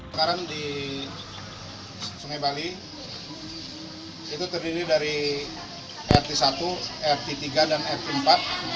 sekarang di sungai bali itu terdiri dari rt satu rt tiga dan rt empat